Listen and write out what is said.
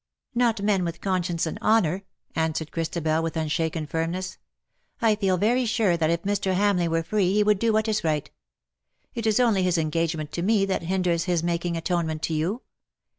^^ Not men with conscience and honour/^ answered Christabel, with unshaken firmness. ^^I feel very sure that if Mr. Hamleigh were free he would do what is right. It is only his engagement to me that hinders his making atonement to you.